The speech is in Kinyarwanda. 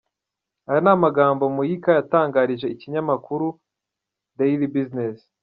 Aya ni amagambo Muyika yatangarije ikinyamakuru Daily Business .